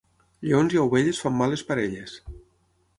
Lleons i ovelles fan males parelles.